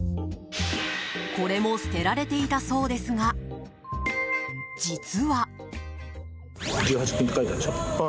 これも捨てられていたそうですが実は。